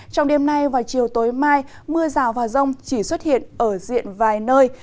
trong đêm nay và chiều tối mai mưa rào và rông chỉ xuất hiện ở diện vài nơi